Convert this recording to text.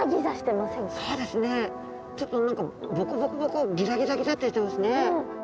そうですねちょっとボコボコボコギザギザギザってしてますね。